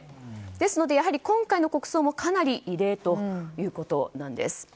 ですので今回の国葬もかなり異例ということです。